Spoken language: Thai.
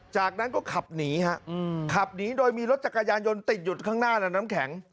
จากนั้นก็ขับหนีฮะขับหนีโดยมีรถจักรยานยนต์ติดอยู่ข้างหน้านะน้ำแข็ง